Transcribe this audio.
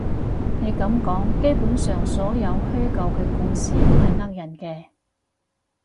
你噉講，基本上所有虛構嘅故事都係呃人嘅